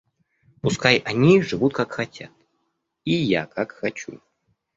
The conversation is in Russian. Пускай они живут как хотят, и я как хочу.